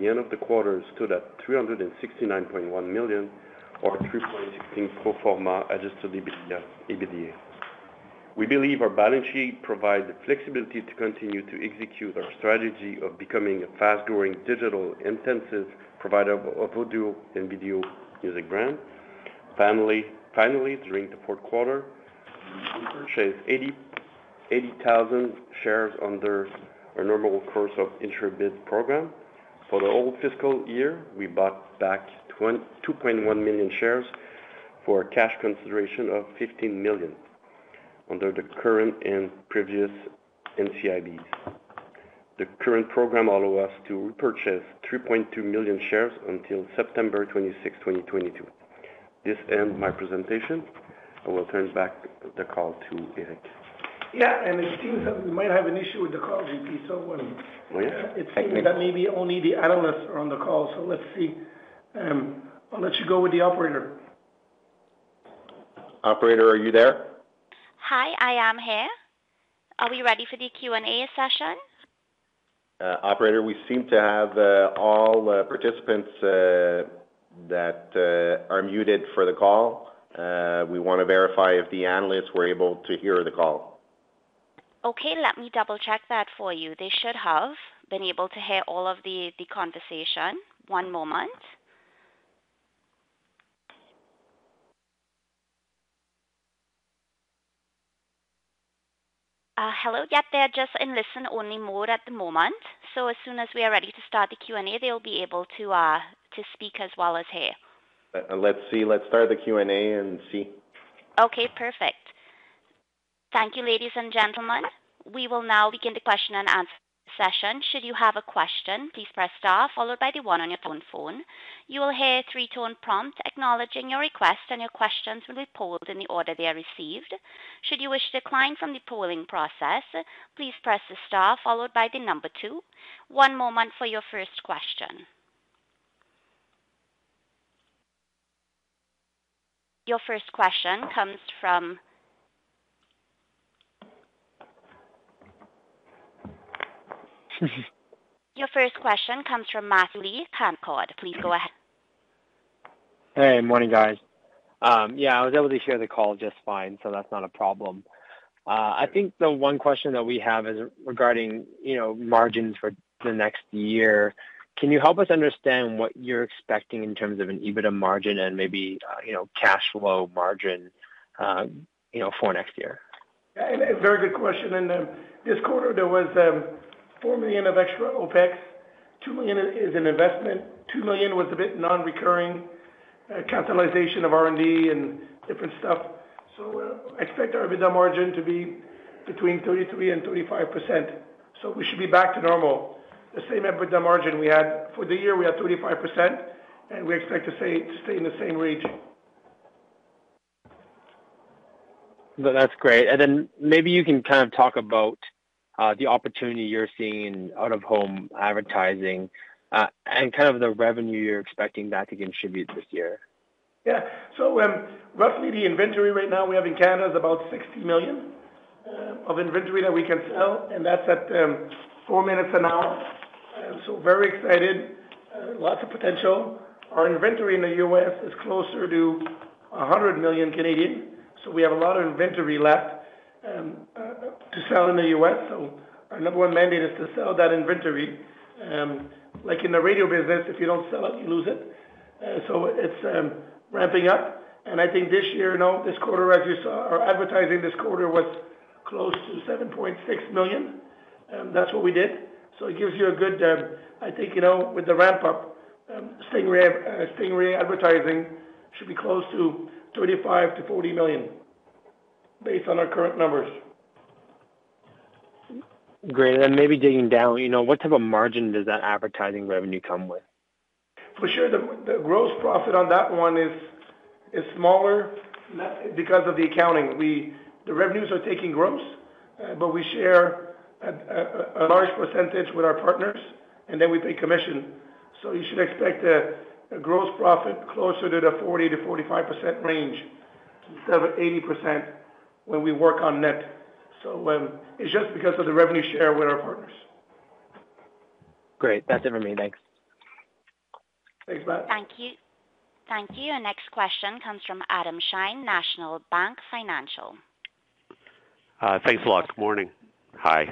The end of the quarter stood at 369.1 million or 3.16 pro forma adjusted EBITDA. We believe our balance sheet provides the flexibility to continue to execute our strategy of becoming a fast-growing digital-intensive provider of audio and video music brand. Finally, during the fourth quarter, we purchased 80,000 shares under our normal course issuer bid program. For the whole fiscal year, we bought back [2.1] million shares for a cash consideration of 15 million under the current and previous NCIBs. The current program allow us to repurchase 3.2 million shares until September 26, 2022. This end my presentation. I will turn back the call to Eric. Yeah. It seems that we might have an issue with the call, JP, so. Oh, yeah. Technical. It seems that maybe only the analysts are on the call, so let's see. I'll let you go with the operator. Operator, are you there? Hi, I am here. Are we ready for the Q&A session? Operator, we seem to have all participants that are muted for the call. We wanna verify if the analysts were able to hear the call. Okay. Let me double-check that for you. They should have been able to hear all of the conversation. One moment. Hello. Yep, they're just in listen-only mode at the moment. As soon as we are ready to start the Q&A, they'll be able to speak as well as hear. Let's see. Let's start the Q&A and see. Okay, perfect. Thank you, ladies and gentlemen. We will now begin the question and answer session. Should you have a question, please press star followed by the one on your phone. You will hear a three-tone prompt acknowledging your request, and your questions will be pooled in the order they are received. Should you wish to decline from the pooling process, please press the star followed by the number two. One moment for your first question. Your first question comes from Matt Lee, Canaccord. Please go ahead. Hey, morning, guys. Yeah, I was able to hear the call just fine, so that's not a problem. I think the one question that we have is regarding, you know, margins for the next year. Can you help us understand what you're expecting in terms of an EBITDA margin and maybe, you know, cash flow margin, you know, for next year? Yeah, a very good question. This quarter, there was 4 million of extra OpEx. 2 million is an investment. 2 million was a bit non-recurring capitalization of R&D and different stuff. Expect our EBITDA margin to be between 33% and 35%. We should be back to normal. The same EBITDA margin we had. For the year, we had 35%, and we expect to stay in the same range. That's great. Then maybe you can kind of talk about the opportunity you're seeing in out-of-home advertising, and kind of the revenue you're expecting that to contribute this year. Yeah. Roughly the inventory right now we have in Canada is about 60 million of inventory that we can sell, and that's at four minutes an hour. Very excited, lots of potential. Our inventory in the U.S. is closer to 100 million, so we have a lot of inventory left to sell in the U.S. Our number one mandate is to sell that inventory. Like in the radio business, if you don't sell it, you lose it. It's ramping up. I think this year, no, this quarter, as you saw, our advertising this quarter was close to 7.6 million. That's what we did. It gives you a good. I think, you know, with the ramp-up, Stingray Advertising should be close to 35 million-40 million based on our current numbers. Great. Maybe digging down, you know, what type of margin does that advertising revenue come with? For sure, the gross profit on that one is smaller because of the accounting. The revenues are taken gross, but we share a large percentage with our partners, and then we pay commission. You should expect a gross profit closer to the 40%-45% range instead of 80% when we work on net. It's just because of the revenue share with our partners. Great. That's it for me. Thanks. Thanks, Matt. Thank you. Thank you. Our next question comes from Adam Shine, National Bank Financial. Thanks a lot. Good morning. Hi.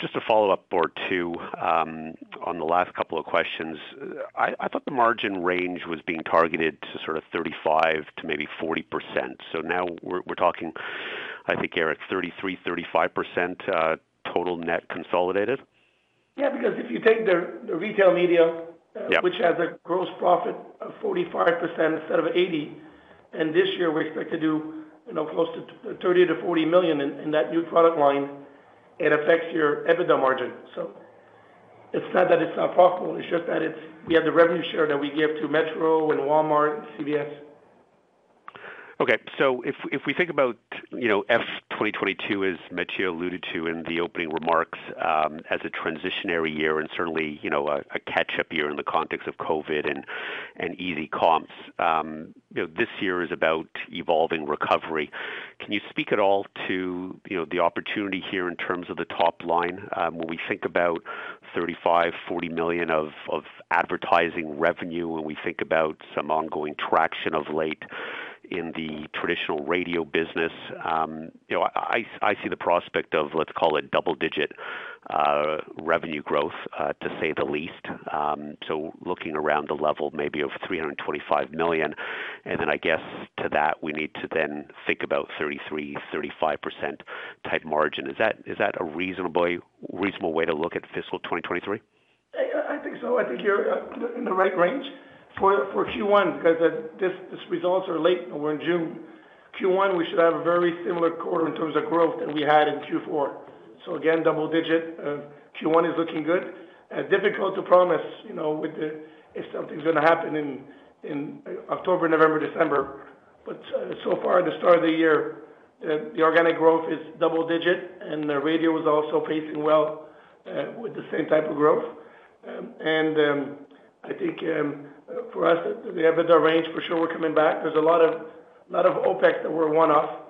Just to follow up or two on the last couple of questions. I thought the margin range was being targeted to sort of 35% to maybe 40%. Now we're talking, I think, Eric, 33%-35%, total net consolidated? Yeah, because if you take the retail media Yeah. Which has a gross profit of 45% instead of 80%, and this year we expect to do, you know, close to 30 million- 40 million in that new product line, it affects your EBITDA margin. It's not that it's not profitable, it's just that it's, we have the revenue share that we give to Metro and Walmart and CVS. Okay. If we think about, you know, FY 2022, as Mathieu alluded to in the opening remarks, as a transitional year and certainly, you know, a catch-up year in the context of COVID and easy comps. You know, this year is about evolving recovery. Can you speak at all to, you know, the opportunity here in terms of the top line, when we think about 35 million- 40 million of advertising revenue, when we think about some ongoing traction of late in the traditional radio business. You know, I see the prospect of, let's call it, double-digit revenue growth, to say the least. Looking around the level maybe of 325 million, and then I guess to that, we need to think about 33%-35% type margin. Is that a reasonable way to look at fiscal 2023? I think so. I think you're in the right range. For Q1, because these results are late and we're in June. Q1, we should have a very similar quarter in terms of growth than we had in Q4. Again, double digit. Q1 is looking good. Difficult to promise, you know, if something's gonna happen in October, November, December. So far, the start of the year, the organic growth is double digit, and the radio was also pacing well with the same type of growth. I think for us, the EBITDA range, for sure we're coming back. There's a lot of OpEx that were one-off,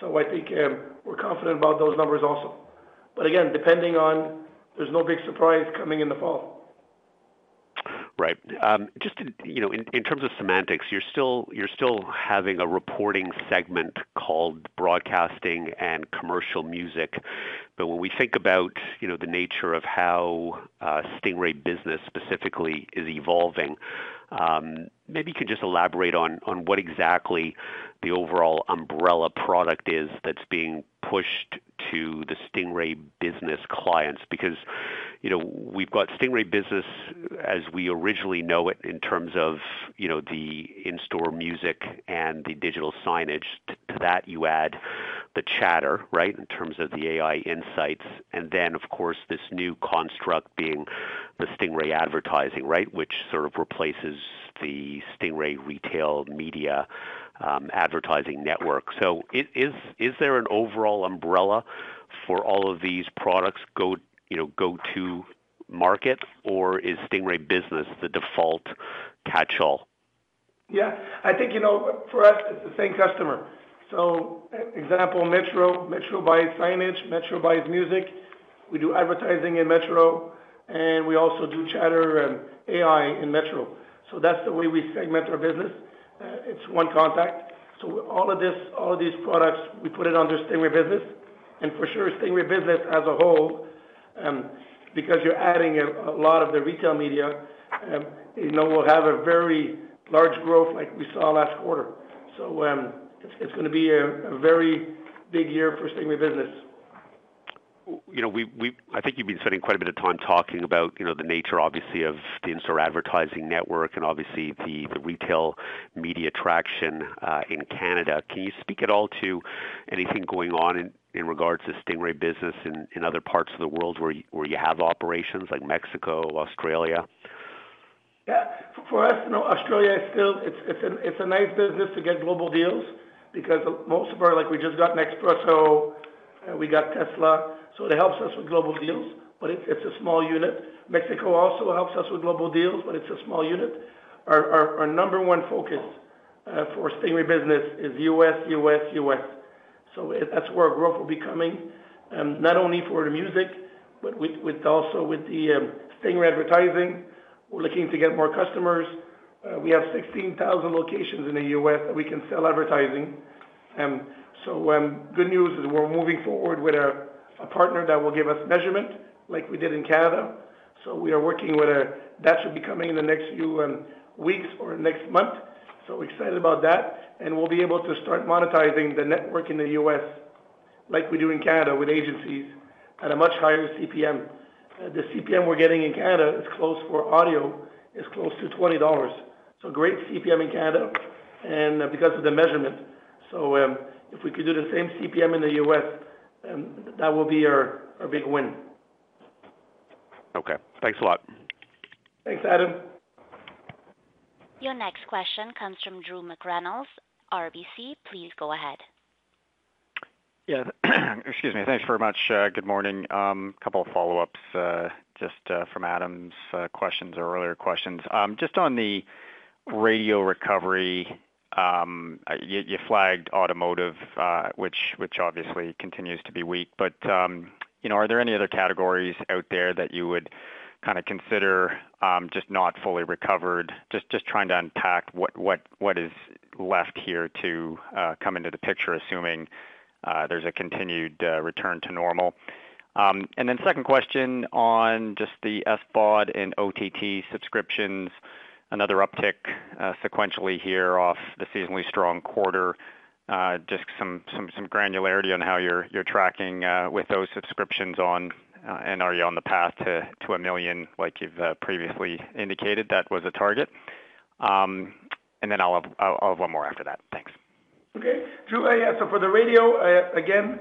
so I think we're confident about those numbers also. Again, depending on there being no big surprise coming in the fall. Right. Just to, you know, in terms of semantics, you're still having a reporting segment called Broadcasting and Commercial Music. When we think about, you know, the nature of how Stingray Business specifically is evolving, maybe you could just elaborate on what exactly the overall umbrella product is that's being pushed to the Stingray Business clients. Because, you know, we've got Stingray Business as we originally know it in terms of, you know, the in-store music and the digital signage. To that you add the Chatter, right? In terms of the AI insights, and then of course, this new construct being the Stingray Advertising, right? Which sort of replaces the Stingray Retail Media advertising network. Is there an overall umbrella for all of these products, you know, go to market, or is Stingray Business the default catch-all? Yeah. I think, you know, for us it's the same customer. Example, Metro. Metro buys signage, Metro buys music. We do advertising in Metro, and we also do Chatter and AI in Metro. That's the way we segment our business. It's one contact. All of this, all of these products, we put it under Stingray Business and for sure Stingray Business as a whole, because you're adding a lot of the retail media, you know, will have a very large growth like we saw last quarter. It's gonna be a very big year for Stingray Business. You know, I think you've been spending quite a bit of time talking about, you know, the nature obviously of the in-store advertising network and obviously the retail media traction in Canada. Can you speak at all to anything going on in regards to Stingray Business in other parts of the world where you have operations like Mexico, Australia? Yeah. For us, you know, Australia is still a nice business to get global deals because most of our, like we just got Nespresso, we got Tesla, so it helps us with global deals, but it's a small unit. Mexico also helps us with global deals, but it's a small unit. Our number one focus for Stingray Business is U.S. That's where our growth will be coming, not only for the music but also with the Stingray Advertising. We're looking to get more customers. We have 16,000 locations in the U.S. that we can sell advertising. Good news is we're moving forward with a partner that will give us measurement like we did in Canada. We are working with a, that should be coming in the next few weeks or next month. We're excited about that, and we'll be able to start monetizing the network in the U.S. Like we do in Canada with agencies at a much higher CPM. The CPM we're getting in Canada is close, for audio, is close to $20. Great CPM in Canada and because of the measurement. If we could do the same CPM in the U.S., that will be our big win. Okay. Thanks a lot. Thanks, Adam. Your next question comes from Drew McReynolds, RBC. Please go ahead. Yeah. Excuse me. Thanks very much. Good morning. Couple of follow-ups, just from Adam's questions or earlier questions. Just on the radio recovery, you flagged automotive, which obviously continues to be weak. You know, are there any other categories out there that you would kinda consider just not fully recovered? Just trying to unpack what is left here to come into the picture, assuming there's a continued return to normal. Second question on just the SVOD and OTT subscriptions. Another uptick, sequentially here off the seasonally strong quarter. Just some granularity on how you're tracking with those subscriptions on, and are you on the path to a million like you've previously indicated that was a target. I'll have one more after that. Thanks. Okay. Drew. For the radio, again,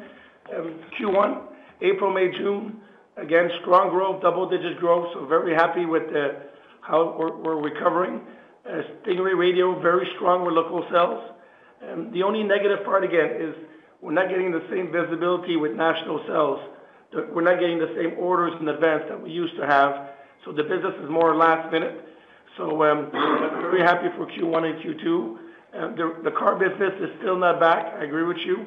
Q1, April, May, June, again, strong growth, double-digit growth, very happy with how we're recovering. Stingray Radio, very strong with local sales. The only negative part again is we're not getting the same visibility with national sales. We're not getting the same orders in advance that we used to have, so the business is more last minute. Very happy for Q1 and Q2. The car business is still not back. I agree with you.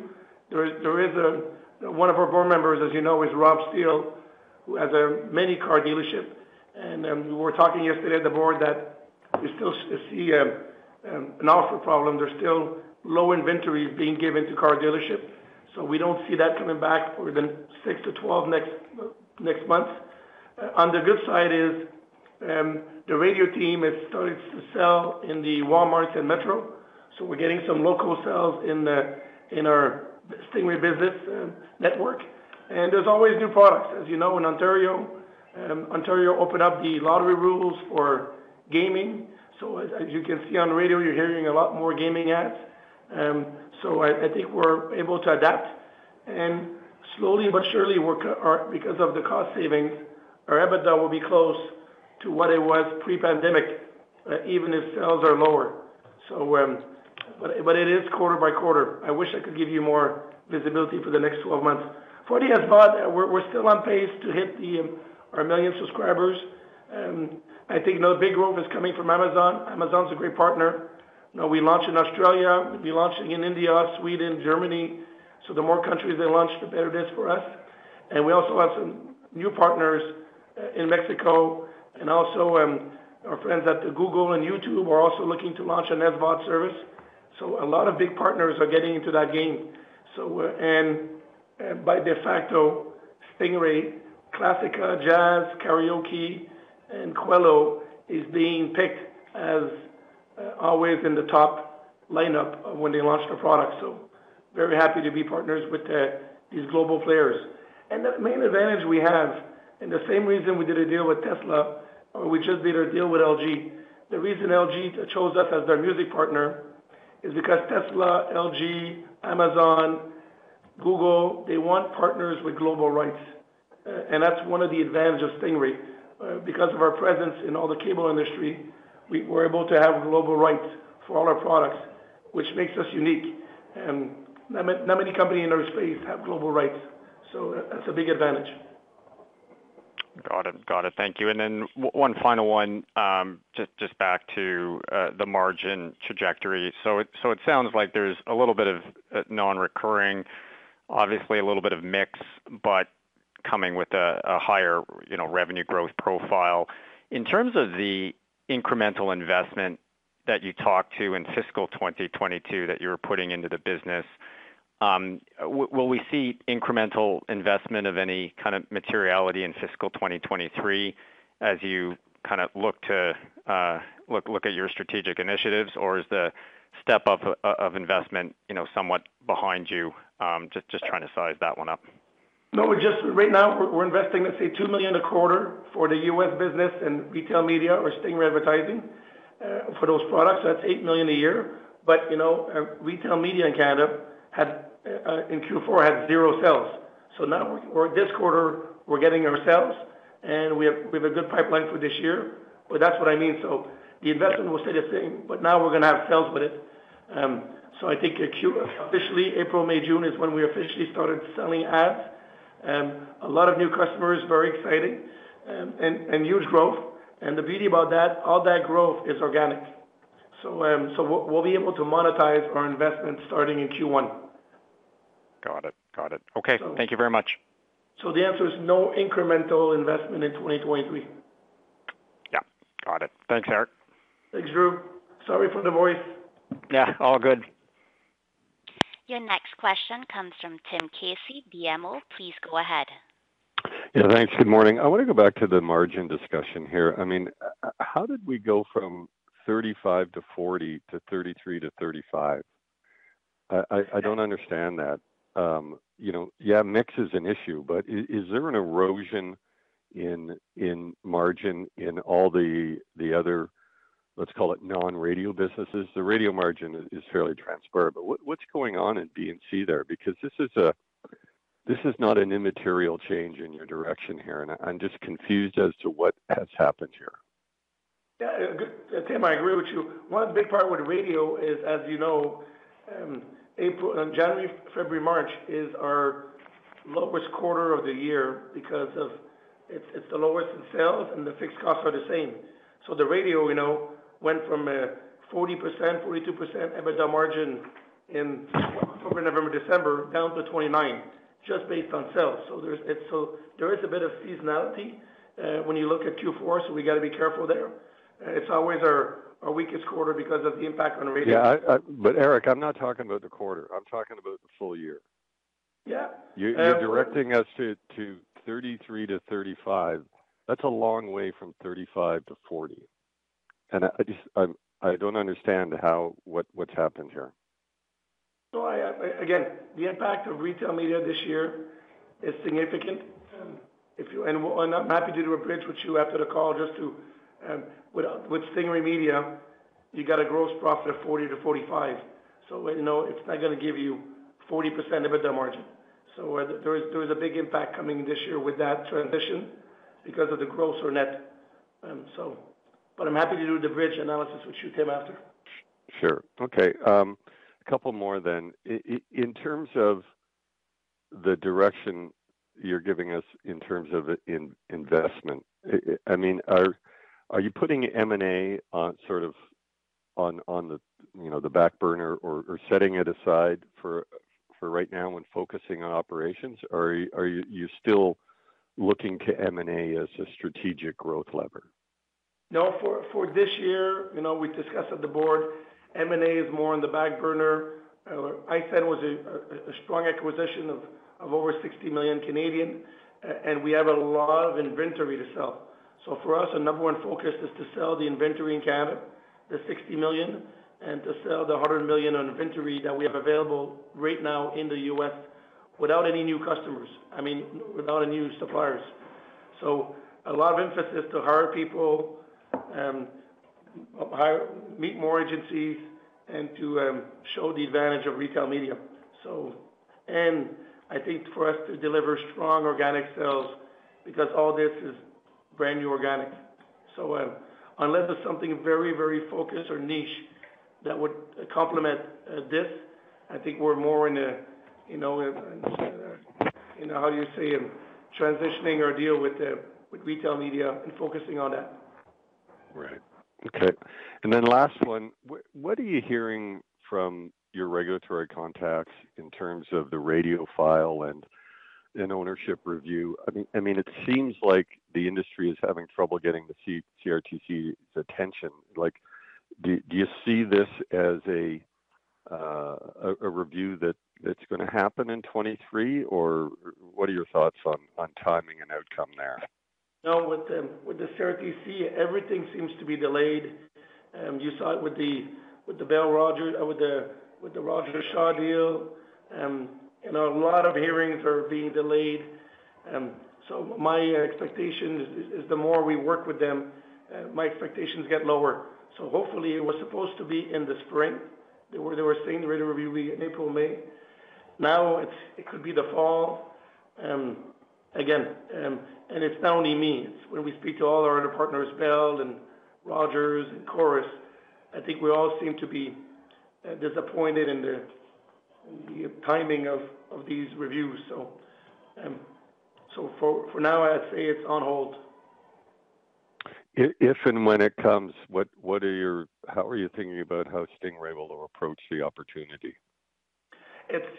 One of our board members, as you know, is Rob Steel, who has many car dealerships. We were talking yesterday at the board that we still see an order problem. There's still low inventory being given to car dealership, so we don't see that coming back for the next six to 12 months. On the good side is the radio team has started to sell in the Walmarts and Metro. We're getting some local sales in our Stingray business network. There's always new products. As you know, in Ontario opened up the lottery rules for gaming. As you can see on radio, you're hearing a lot more gaming ads. I think we're able to adapt. Slowly but surely, because of the cost savings, our EBITDA will be close to what it was pre-pandemic, even if sales are lower. It is quarter-by-quarter. I wish I could give you more visibility for the next 12 months. For the SVOD, we're still on pace to hit a million subscribers. I think another big growth is coming from Amazon. Amazon's a great partner. Now we launch in Australia, we'll be launching in India, Sweden, Germany. The more countries they launch, the better it is for us. We also have some new partners in Mexico, and also our friends at Google and YouTube are also looking to launch an SVOD service. A lot of big partners are getting into that game. By de facto, Stingray Classica, Jazz, Karaoke, and Qello is being picked as always in the top lineup of when they launch their products. Very happy to be partners with these global players. The main advantage we have, and the same reason we did a deal with Tesla, or we just did a deal with LG. The reason LG chose us as their music partner is because Tesla, LG, Amazon, Google, they want partners with global rights. That's one of the advantages of Stingray. Because of our presence in all the cable industry, we're able to have global rights for all our products, which makes us unique. Not many companies in our space have global rights, so that's a big advantage. Thank you. One final one, just back to the margin trajectory. It sounds like there's a little bit of non-recurring, obviously a little bit of mix, but coming with a higher, you know, revenue growth profile. In terms of the incremental investment that you talked to in fiscal 2022 that you're putting into the business, will we see incremental investment of any kind of materiality in fiscal 2023 as you kinda look to look at your strategic initiatives? Or is the step up of investment, you know, somewhat behind you? Just trying to size that one up. No. Right now we're investing, let's say, 2 million a quarter for the U.S. business and retail media or Stingray Advertising for those products. That's 8 million a year. You know, retail media in Canada had in Q4 zero sales. Now this quarter, we're getting our sales and we have a good pipeline for this year. That's what I mean. The investment will stay the same, but now we're gonna have sales with it. I think officially April, May, June is when we officially started selling ads. A lot of new customers, very exciting, and huge growth. The beauty about that, all that growth is organic. We'll be able to monetize our investment starting in Q1. Got it. So. Okay. Thank you very much. The answer is no incremental investment in 2023. Yeah. Got it. Thanks, Eric. Thanks, Drew. Sorry for the voice. Yeah, all good. Your next question comes from Tim Casey, BMO. Please go ahead. Yeah, thanks. Good morning. I wanna go back to the margin discussion here. I mean, how did we go from 35%-40% to 33%-35%? I don't understand that. You know, yeah, mix is an issue, but is there an erosion in margin in all the other, let's call it non-radio businesses? The radio margin is fairly transparent. But what's going on in B&C there? Because this is not an immaterial change in your direction here, and I'm just confused as to what has happened here. Yeah, good. Tim, I agree with you. One big part with radio is, as you know, January, February, March is our lowest quarter of the year because it's the lowest in sales and the fixed costs are the same. So, the radio, you know, went from 40%, 42% EBITDA margin in October, November, December down to 29%, just based on sales. So, there's a bit of seasonality when you look at Q4, so we gotta be careful there. It's always our weakest quarter because of the impact on radio. Eric, I'm not talking about the quarter, I'm talking about the full year. Yeah. You're directing us to 33%-35%. That's a long way from 35%-40%. I just don't understand what's happened here. I, again, the impact of retail media this year is significant. I'm happy to do a bridge with you after the call just to, with Stingray Advertising, you got a gross profit of 40-45, so, you know, it's not gonna give you 40% EBITDA margin. There is a big impact coming this year with that transition because of the gross or net. I'm happy to do the bridge analysis, which you came after. Sure. Okay. A couple more then. In terms of the direction you're giving us in terms of investment, I mean, are you putting M&A sort of on the, you know, back burner or setting it aside for right now and focusing on operations? Are you still looking to M&A as a strategic growth lever? No, for this year, you know, we discussed with the board. M&A is more on the back burner. ISAN was a strong acquisition of over 60 million, and we have a lot of inventory to sell. For us, our number one focus is to sell the inventory in Canada, the 60 million, and to sell the 100 million of inventory that we have available right now in the U.S. without any new customers. I mean, without any new suppliers. A lot of emphasis to hire people, meet more agencies and to show the advantage of retail media. I think for us to deliver strong organic sales because all this is brand new organic. Unless there's something very, very focused or niche that would complement this, I think we're more in a, you know, how you say, transitioning our deal with retail media and focusing on that. Right. Okay. Last one. What are you hearing from your regulatory contacts in terms of the radio file and ownership review? I mean, it seems like the industry is having trouble getting the CRTC's attention. Like, do you see this as a review that it's gonna happen in 2023? Or what are your thoughts on timing and outcome there? No. With the CRTC, everything seems to be delayed. You saw it with the Rogers-Shaw deal. You know, a lot of hearings are being delayed. My expectation is the more we work with them, my expectations get lower. Hopefully, it was supposed to be in the spring. They were saying the radio review will be in April, May. Now it could be the fall. Again, it's not only me. It's when we speak to all our other partners, Bell and Rogers and Corus, I think we all seem to be disappointed in the timing of these reviews. For now, I'd say it's on hold. If and when it comes, how are you thinking about how Stingray will approach the opportunity?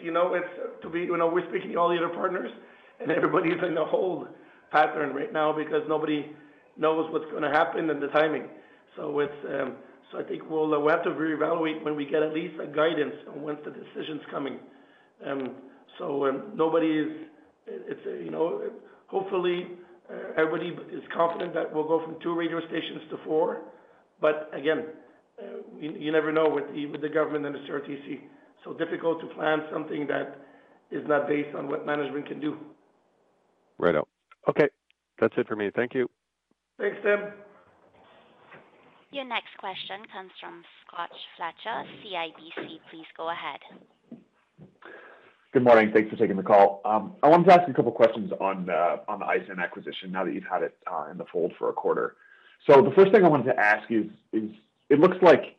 You know, we're speaking to all the other partners, and everybody's in a holding pattern right now because nobody knows what's gonna happen and the timing. I think we'll have to reevaluate when we get at least a guidance on when the decision's coming. It's, you know, hopefully everybody is confident that we'll go from two radio stations to four. Again, you never know with even the government and the CRTC. Difficult to plan something that is not based on what management can do. Righto. Okay. That's it for me. Thank you. Thanks, Tim. Your next question comes from Scott Fletcher, CIBC. Please go ahead. Good morning. Thanks for taking the call. I wanted to ask a couple questions on the ISAN acquisition now that you've had it in the fold for a quarter. The first thing I wanted to ask is, it looks like,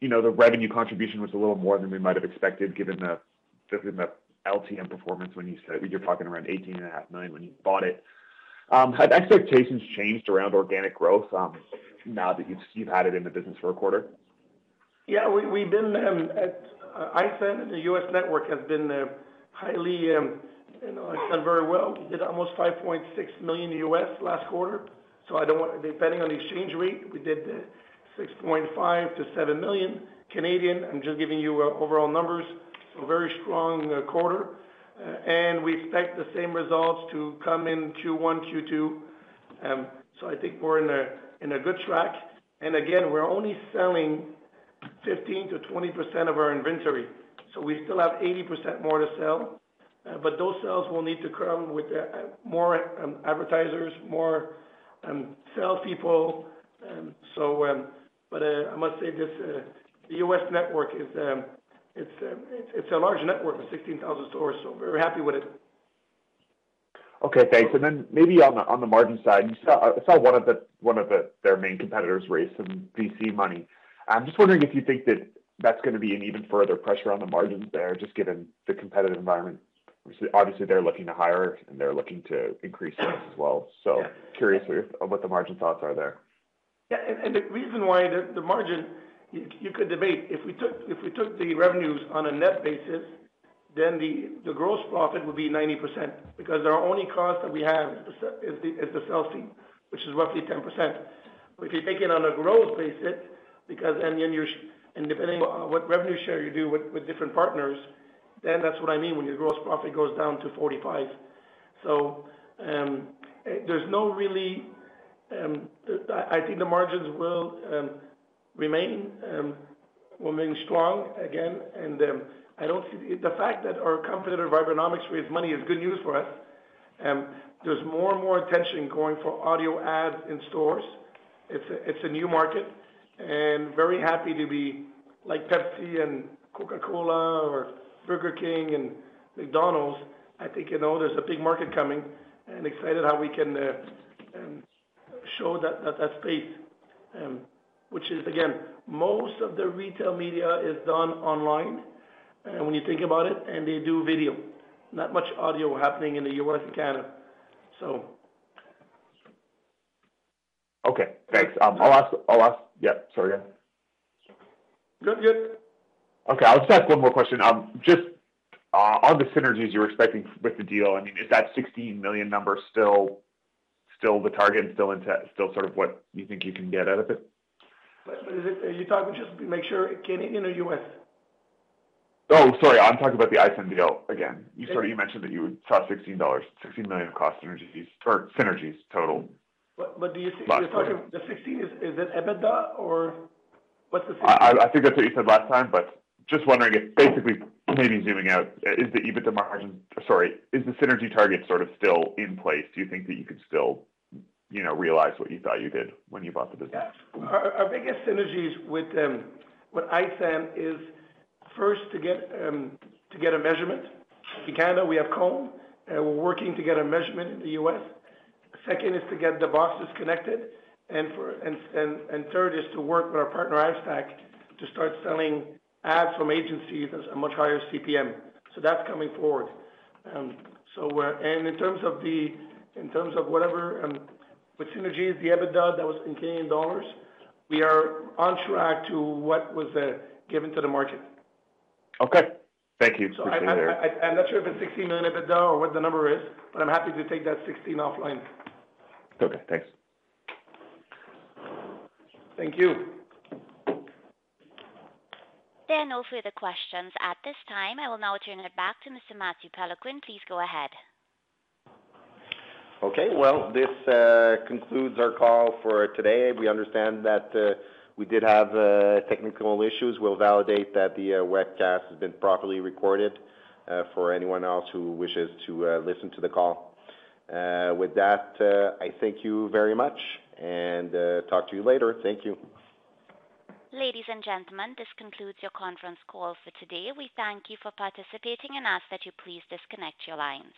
you know, the revenue contribution was a little more than we might have expected, given the LTM performance when you said you're talking around 18.5 million when you bought it. Have expectations changed around organic growth now that you've had it in the business for a quarter? Yeah. We've been at ISAN. The U.S. network has been highly, you know, it's done very well. We did almost $5.6 million last quarter. So, I don't want, depending on the exchange rate, we did 6.5 million-7 million. I'm just giving you overall numbers. Very strong quarter. We expect the same results to come in Q1, Q2. I think we're on a good track. Again, we're only selling 15%-20% of our inventory, so we still have 80% more to sell. Those sales will need to come with more advertisers, more sales people. I must say this, the U.S. network is a large network of 16,000 stores, so very happy with it. Okay, thanks. Then maybe on the margin side, I saw one of their main competitors raise some VC money. I'm just wondering if you think that that's gonna be an even further pressure on the margins there, just given the competitive environment. Obviously, they're looking to hire and they're looking to increase sales as well. Yeah. Curious what the margin thoughts are there? The reason why the margin, you could debate, if we took the revenues on a net basis, then the gross profit would be 90% because our only cost that we have is the sales team, which is roughly 10%. If you take it on a gross basis, depending on what revenue share you do with different partners, then that's what I mean, when your gross profit goes down to 45%. I think the margins will remain strong again. I don't see. The fact that our competitor, Vibenomics, raised money is good news for us. There's more and more attention going for audio ads in stores. It's a new market. Very happy to be like Pepsi and Coca-Cola or Burger King and McDonald's. I think, you know, there's a big market coming and excited how we can show that space, which is again, most of the retail media is done online. When you think about it, and they do video, not much audio happening in the U.S. and Canada. Okay, thanks. I'll ask. Yeah, sorry. Go ahead. Okay. I'll just ask one more question. Just on the synergies you're expecting with the deal, I mean, is that 16 million number still the target and still sort of what you think you can get out of it? Are you talking, just to make sure, Canadian or U.S.? Oh, sorry. I'm talking about the ISAN deal again. You mentioned that you saw 16 million dollars cost synergies or synergies total. Do you think? Last quarter. You're talking the 16, is it EBITDA or what's the 16? I think that's what you said last time, but just wondering if basically maybe zooming out, is the EBITDA margin. Sorry, is the synergy target sort of still in place? Do you think that you could still, you know, realize what you thought you did when you bought the business? Our biggest synergies with ISAN is first to get a measurement. In Canada, we have Comscore, and we're working to get a measurement in the U.S. Second is to get the [POSes] connected, and third is to work with our partner, Hivestack, to start selling ads from agencies as a much higher CPM. That's coming forward. In terms of whatever with synergies, the EBITDA that was in Canadian dollars, we are on track to what was given to the market. Okay. Thank you. Appreciate it. I'm not sure if it's 16 million EBITDA or what the number is, but I'm happy to take that 16 offline. Okay, thanks. Thank you. There are no further questions at this time. I will now turn it back to Mr. Mathieu Péloquin. Please go ahead. Okay. Well, this concludes our call for today. We understand that we did have technical issues. We'll validate that the webcast has been properly recorded for anyone else who wishes to listen to the call. With that, I thank you very much and talk to you later. Thank you. Ladies and gentlemen, this concludes your conference call for today. We thank you for participating and ask that you please disconnect your lines.